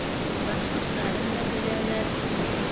Башлыҡтарын да беләләр.